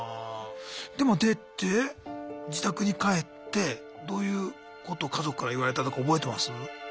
でも出て自宅に帰ってどういうことを家族から言われたとか覚えてます？